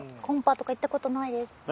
コンパとか行ったことないです。